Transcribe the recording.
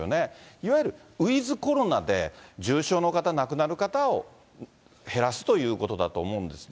いわゆるウィズコロナで、重症の方、亡くなる方を減らすということだと思うんですね。